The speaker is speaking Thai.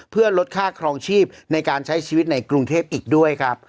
เพื่อลดค่าครองชีพในการใช้ชีวิตในกรุงเทพอีกด้วยครับ